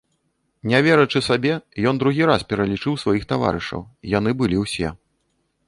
Не верачы сабе, ён другі раз пералічыў сваіх таварышаў, яны былі ўсе.